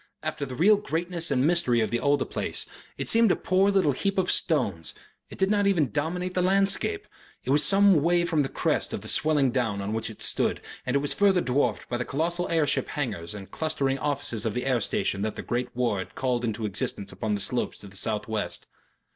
After the real greatness and mystery of the older place, it seemed a poor little heap of stones; it did not even dominate the landscape; it was some way from the crest of the swelling down on which it stood and it was further dwarfed by the colossal air ship hangars and clustering offices of the air station that the great war had called into existence upon the slopes to the south west.